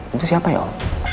itu siapa ya om